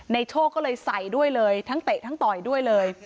โชคก็เลยใส่ด้วยเลยทั้งเตะทั้งต่อยด้วยเลย